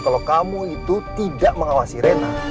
kalau kamu itu tidak mengawasi rena